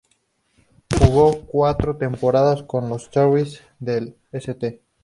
Jugó cuatro temporadas con los "Terriers" del St.